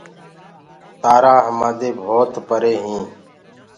تآرآ همآدي بهوت پري هينٚ